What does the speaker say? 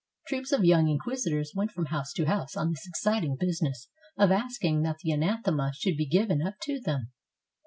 Troops of young inquisitors went from house to house on this exciting business of asking that the Anathema should be given up to them.